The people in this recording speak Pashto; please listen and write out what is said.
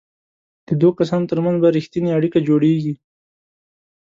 د دوو کسانو ترمنځ به ریښتینې اړیکه جوړیږي.